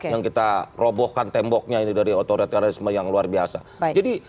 yang kita robohkan temboknya ini dari otoritarisme yang luar biasa